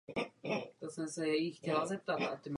Pojmenován byl podle pruského generála Gerharda von Scharnhorst.